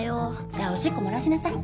じゃあおしっこ漏らしなさい。